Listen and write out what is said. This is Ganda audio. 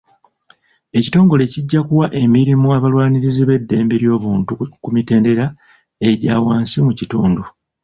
Ekitongole kijja kuwa emirimu abalwanirizi b'eddembe ly'obuntu ku mitendera egya wansi mu kitundu.